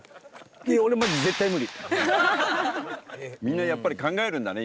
俺みんなやっぱり考えるんだね